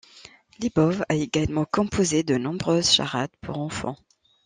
Hlibov a également composé de nombreuses charades pour enfants.